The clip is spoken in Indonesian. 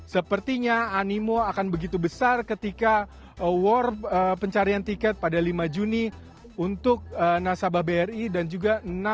sepertinya animo akan begitu besar ketika award pencarian tiket pada lima juni untuk nasabah bri dan juga